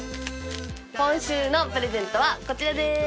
今週のプレゼントはこちらです。